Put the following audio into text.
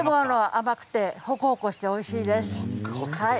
甘くて、ほくほくしておいしいですよ。